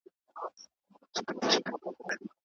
په شعر کې سندره هم شامل ده.